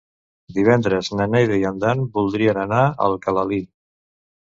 Divendres na Neida i en Dan voldrien anar a Alcalalí.